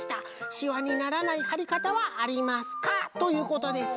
しわにならないはりかたはありますか？」ということです。